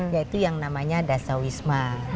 yaitu yang namanya dasawisma